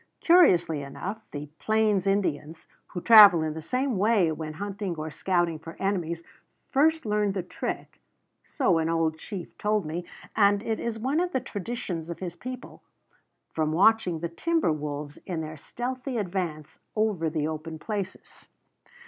Curiously enough, the plains Indians, who travel in the same way when hunting or scouting for enemies, first learned the trick so an old chief told me, and it is one of the traditions of his people from watching the timber wolves in their stealthy advance over the open places.